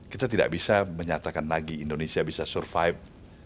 kita tidak bisa menyatakan lagi indonesia bisa survive